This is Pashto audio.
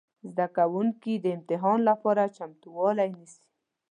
زده کوونکي د امتحان لپاره چمتووالی نیسي.